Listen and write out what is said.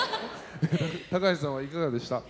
橋さんはいかがでした？